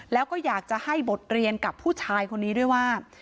แล้วก็อยากจะให้บทเรียนกับผู้ชายคนนี้ด้วยว่า